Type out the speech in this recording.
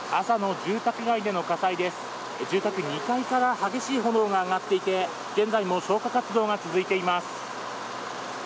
住宅２階から激しい炎が上がっていて現在も消火活動が続いています。